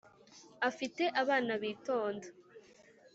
afite abana bitonda